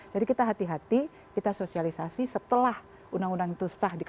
jadi kita hati hati kita sosialisasi setelah undang undangnya